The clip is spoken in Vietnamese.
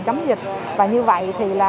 chống dịch và như vậy thì là